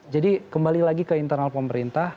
jadi kembali lagi ke internal pemerintah